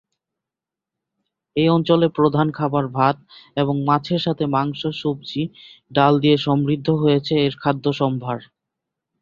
এই অঞ্চলে প্রধান খাবার ভাত এবং মাছের সাথে মাংস, সব্জি, ডাল দিয়ে সমৃদ্ধ হয়েছে এর খাদ্য সম্ভার।